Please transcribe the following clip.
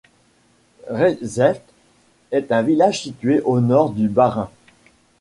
Riedseltz est un village situé au nord du Bas-Rhin.